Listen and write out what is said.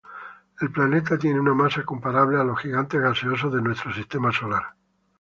El planeta tiene una masa comparable a los gigantes gaseosos de nuestro sistema solar.